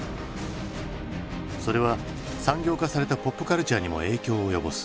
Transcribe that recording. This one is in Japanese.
それは産業化されたポップカルチャーにも影響を及ぼす。